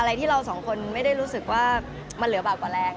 อะไรที่เราสองคนไม่ได้รู้สึกว่ามันเหลือบาปกว่าแรง